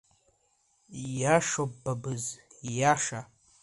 Ииашоуп, Бабыз, ииаша…